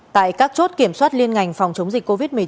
tại các chốt kiểm soát liên ngành phòng chống dịch covid một mươi chín